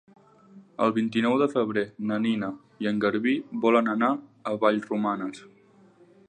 El vint-i-nou de febrer na Nina i en Garbí volen anar a Vallromanes.